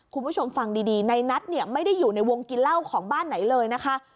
คุณผู้ชมฟังดีในนัทเนี่ยไม่ได้อยู่ในวงกินเหล้าของบ้านไหนเลยนะคะ